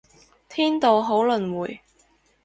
天道好輪迴